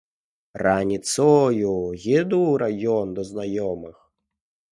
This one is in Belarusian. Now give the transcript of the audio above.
Раніцою еду ў раён да знаёмых.